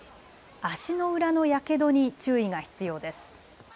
足の裏のやけどに注意が必要です。